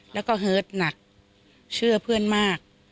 แล้วก็เฮิร์ตหนักเชื่อเพื่อนมาก